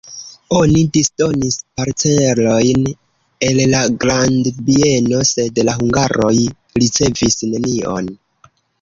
Oni disdonis parcelojn el la grandbieno, sed la hungaroj ricevis nenion.